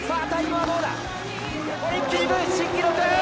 オリンピック新記録！